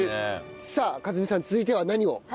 さあ和美さん続いては何を？